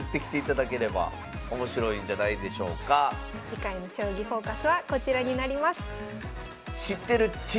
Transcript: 次回の「将棋フォーカス」はこちらになります。